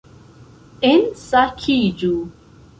Ensakiĝu